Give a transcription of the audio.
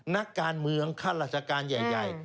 นักการเมืองข้าราชการใหญ่